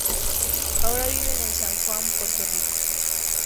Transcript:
Ahora viven en San Juan, Puerto Rico.